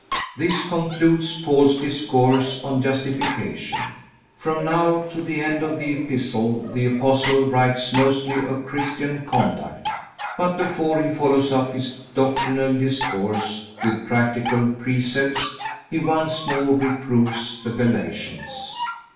This concludes Paul's discourse on justification. From now to the end of the Epistle the Apostle writes mostly of Christian conduct. But before he follows up his doctrinal discourse with practical precepts he once more reproves the Galatians.